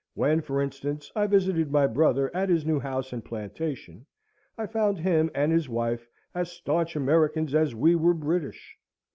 When, for instance, I visited my brother at his new house and plantation, I found him and his wife as staunch Americans as we were British.